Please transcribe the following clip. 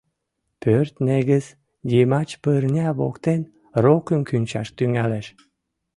Пӧрт негыз йымач пырня воктен рокым кӱнчаш тӱҥалеш.